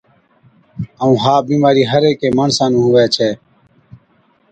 ائُون ها بِيمارِي هر هيڪي ماڻسا نُون هُوَي ڇَي۔